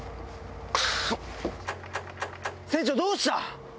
船長どうした？